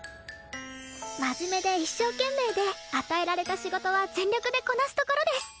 真面目で一生懸命で与えられた仕事は全力でこなすところです。